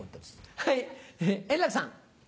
はい円楽さん。